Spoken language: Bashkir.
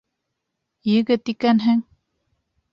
Егет икәнһең!